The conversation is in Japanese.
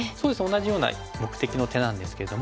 同じような目的の手なんですけども。